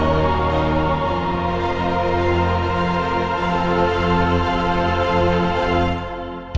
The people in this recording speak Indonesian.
jangan kaget pak dennis